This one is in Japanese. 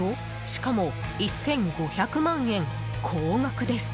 しかも１５００万円、高額です。